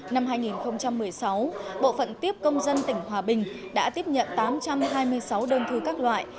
năm hai nghìn một mươi sáu bộ phận tiếp công dân tỉnh hòa bình đã tiếp nhận tám trăm hai mươi sáu đơn thư các loại